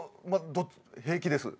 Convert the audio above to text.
平気です。